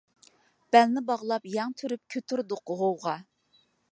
بەلنى باغلاپ يەڭ تۈرۈپ، كۆتۈردۇق غوۋغا.